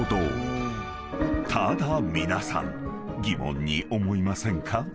［ただ皆さん疑問に思いませんか？］